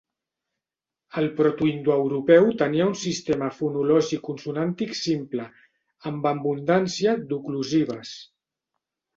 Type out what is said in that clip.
El protoindoeuropeu tenia un sistema fonològic consonàntic simple, amb abundància d'oclusives.